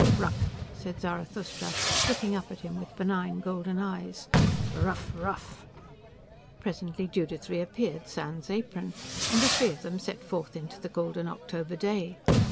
"Ruf," said Zarathustra, looking up at him with benign golden eyes. "Ruf ruf!" Presently Judith re appeared, sans apron, and the three of them set forth into the golden October day.